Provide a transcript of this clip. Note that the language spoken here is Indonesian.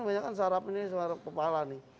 banyak kan saraf ini kepala nih